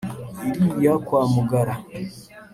iriya kwa mugara